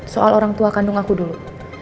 soal orang tua kandung aku dulu